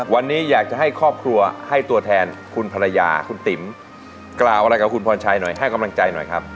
วันนี้อยากจะให้ครอบครัวให้ตัวแทนคุณภรรยาคุณติ๋มกล่าวอะไรกับคุณพรชัยหน่อยให้กำลังใจหน่อยครับ